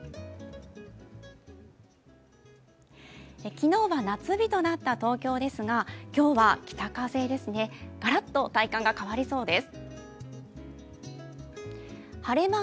昨日は夏日となった東京ですが今日は北風ですね、ガラッと体感が変わりそうです。